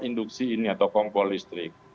induksi ini atau kompor listrik